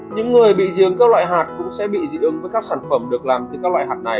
những người bị riêng các loại hạt cũng sẽ bị dị ứng với các sản phẩm được làm từ các loại hạt này